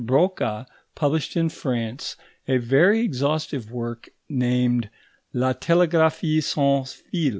Broca published in France a very exhaustive work named La Telegraphie sans fil.